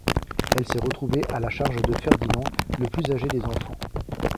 Elle s'est retrouvée à la charge de Ferdinand, le plus âgé des enfants.